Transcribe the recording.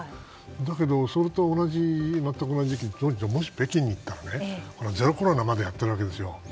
だけど、それと同じ感じでもし北京に行ったらゼロコロナをやっているわけですよ。